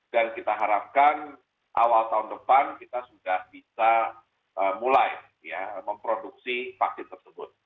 dan kita harapkan awal tahun depan kita sudah bisa mulai memproduksi vaksin tersebut